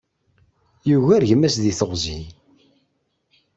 Yugar gma-s deg teɣzef.